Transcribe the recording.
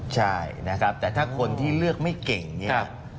ใช่นะครับแต่ถ้าคนที่เลือกไม่เก่งเนี่ย